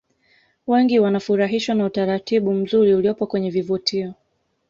wengi wanafurahishwa na utaratibu mzuri uliopo kwenye vivutio